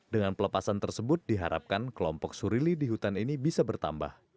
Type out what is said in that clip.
dengan pelepasan tersebut diharapkan kelompok surili di hutan ini bisa bertambah